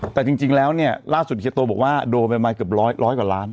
แต่จริงแล้วเนี่ยล่าสุดเฮียโตบอกว่าโดนประมาณเกือบร้อยกว่าล้าน